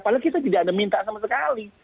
padahal kita tidak ada minta sama sekali